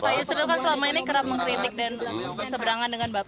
pak yusril kan selama ini kerap mengkritik dan berseberangan dengan bapak